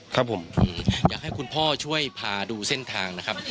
ครับผมอยากให้คุณพ่อช่วยพาดูเส้นทางนะครับ